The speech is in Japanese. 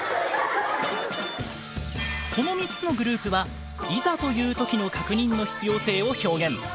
この３つのグループはいざというときの確認の必要性を表現。